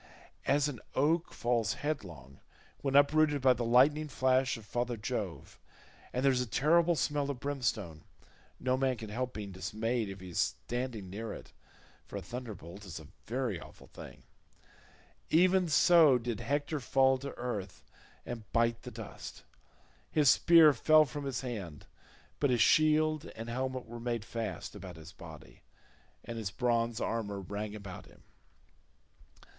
As an oak falls headlong when uprooted by the lightning flash of father Jove, and there is a terrible smell of brimstone—no man can help being dismayed if he is standing near it, for a thunderbolt is a very awful thing—even so did Hector fall to earth and bite the dust. His spear fell from his hand, but his shield and helmet were made fast about his body, and his bronze armour rang about him.